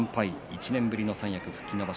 １年ぶりの三役復帰の場所